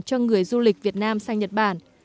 cho người du lịch việt nam sang nhật bản